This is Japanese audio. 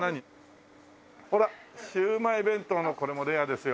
ほらシウマイ弁当のこれもレアですよ。